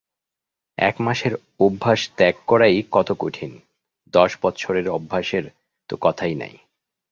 এক মাসের অভ্যাস ত্যাগ করাই কত কঠিন, দশ বৎসরের অভ্যাসের তো কথাই নাই।